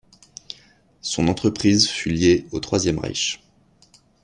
Son entreprise fut liée au Troisième Reich.